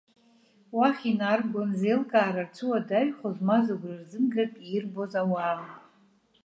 Уахь инаргон, зеилкаара рцәуадаҩхоз, ма зыгәра рзымгартә ирбоз ауаа.